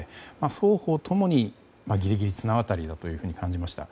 双方ともにギリギリ綱渡りだと感じました。